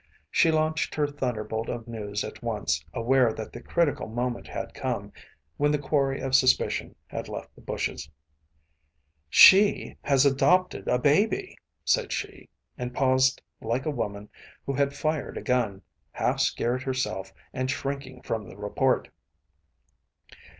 She launched her thunderbolt of news at once, aware that the critical moment had come, when the quarry of suspicion had left the bushes. “She has adopted a baby,‚ÄĚ said she, and paused like a woman who had fired a gun, half scared herself and shrinking from the report.